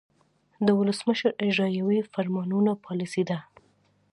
د ولسمشر اجراییوي فرمانونه پالیسي ده.